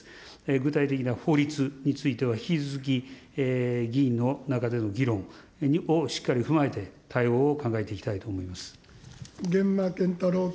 具体的な法律については、引き続き、議員の中での議論をしっかり踏まえて、対応を考えていきたいと思源馬謙太郎君。